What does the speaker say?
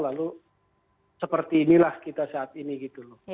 lalu seperti inilah kita saat ini gitu loh